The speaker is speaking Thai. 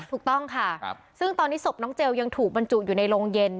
ถูกต้องค่ะซึ่งตอนนี้ศพน้องเจลยังถูกบรรจุอยู่ในโรงเย็น